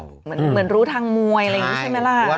เหมือนรู้ทางมวยอะไรอย่างนี้ใช่ไหมล่ะ